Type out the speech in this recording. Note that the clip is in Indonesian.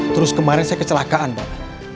terus kemarin saya kecelakaan pak